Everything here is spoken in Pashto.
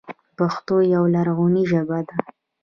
پښتو یوه لرغوني ژبه ده.